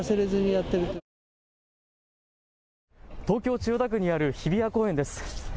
東京・千代田区にある日比谷公園です。